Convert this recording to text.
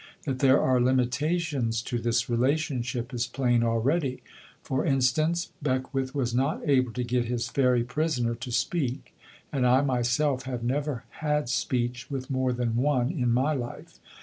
That there are limitations to this relationship is plain already; for instance, Beckwith was not able to get his fairy prisoner to speak, and I myself have never had speech with more than one in my life.